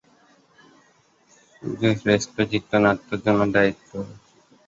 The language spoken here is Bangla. সুজয় শ্রেষ্ঠ চিত্রনাট্যের জন্য জাতীয় চলচ্চিত্র পুরস্কার ও ফিল্মফেয়ার শ্রেষ্ঠ পরিচালক পুরস্কার লাভ করেন।